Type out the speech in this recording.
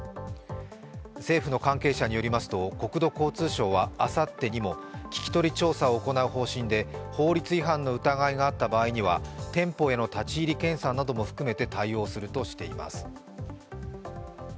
政府の関係者によりますと国土交通省はあさってにも聞き取り調査を行う方針で法律違反の疑いがあった場合には店舗への立ち入り検査なども含めて対応するとしています。